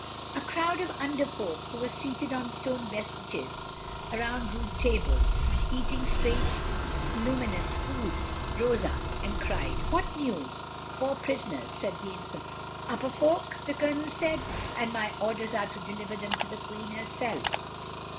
A crowd of Under Folk, who were seated on stone benches around rude tables, eating strange luminous food, rose up, and cried, "What news?" "Four prisoners," said the Infantryman. "Upper Folk," the Colonel said; "and my orders are to deliver them to the Queen herself."